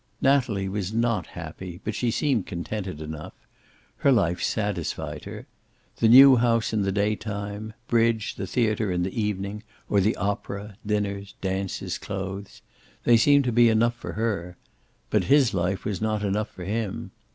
Natalie was not happy, but she seemed contented enough. Her life satisfied her. The new house in the day time, bridge, the theater in the evening or the opera, dinners, dances, clothes they seemed to be enough for her. But his life was not enough for him.